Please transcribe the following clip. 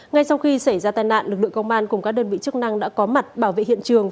ngay sau khi xảy ra tai nạn lực lượng công an cùng các đơn vị chức năng đã có mặt bảo vệ hiện trường